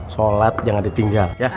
sholat jangan ditinggal ya